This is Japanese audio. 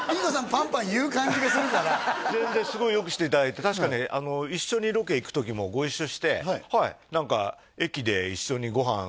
パンパン言う感じがするから全然すごいよくしていただいて確かね一緒にロケ行く時もご一緒してはいえ！